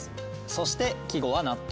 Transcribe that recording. そして季語は納豆。